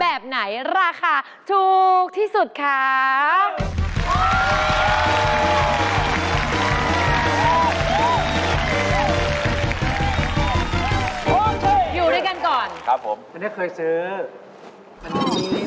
พอกินเสร็จปั๊บต้องกินน้ำด้วยทำไมอ่ะน้ำหยดลงหิน